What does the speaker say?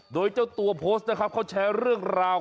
โดยเจ้าตัวโพสต์นะครับเขาแชร์เรื่องราว